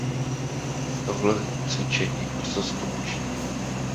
Tohle cvičení brzo skončí.